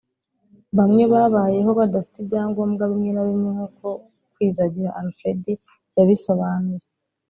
bamwe babayeho badafite ibyangobwa bimwe na bimwe nk’uko Kwizagira Alfred yabisobanuye